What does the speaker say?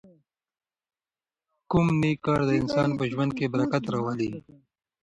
کوم نېک کار د انسان په ژوند کې برکت راولي؟